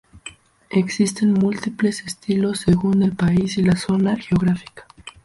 Existen múltiples estilos según el país y la zona geográfica.